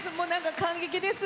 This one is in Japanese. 感激です。